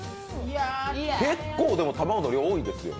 結構卵の量、多いですよね？